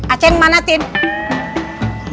aceh yang mana tim